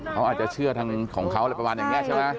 เขาอาจจะเชื่อทางของเขาอะไรประมาณอย่างนี้ใช่ไหม